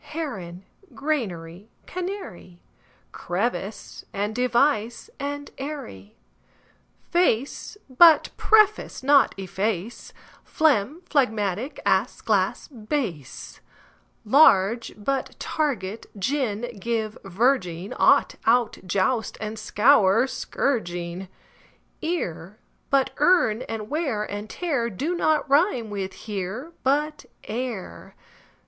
Heron; granary, canary; Crevice, and device, and eyrie; Face but preface, but efface, Phlegm, phlegmatic; ass, glass, bass; Large, but target, gin, give, verging; Ought, out, joust and scour, but scourging; Ear, but earn; and wear and tear Do not rime with "here", but "ere".